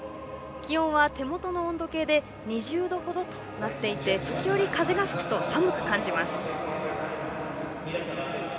気温は手元の温度計で２０度ほどになっていて時折、風が吹くと寒く感じます。